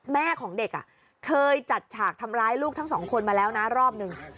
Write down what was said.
แม่ของเด็กเคยจัดฉากทำร้ายลูกทั้งสองคนมาแล้วนะรอบหนึ่ง